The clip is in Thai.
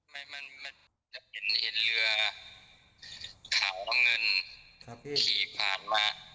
มันเห็นเรือขาวเงินขี่ผ่านมา